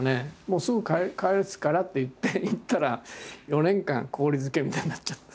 「もうすぐ帰すから」って言って行ったら４年間氷漬けみたいになっちゃった。